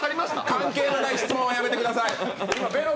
関係ない質問はやめてください。